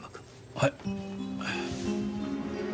はい。